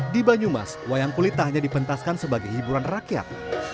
di banyumas wayang kulit tak hanya dipentaskan sebagai hiburan rakyat